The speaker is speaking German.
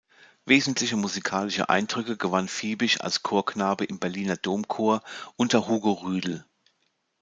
Wesentliche musikalische Eindrücke gewann Fiebig als Chorknabe im Berliner Domchor unter Hugo Rüdel.